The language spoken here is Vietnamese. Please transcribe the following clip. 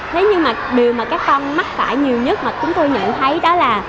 thế nhưng mà điều mà các con mắc phải nhiều nhất mà chúng tôi nhận thấy đó là